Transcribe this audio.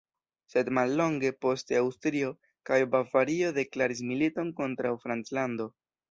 Sed mallonge poste Aŭstrio kaj Bavario deklaris militon kontraŭ Franclando.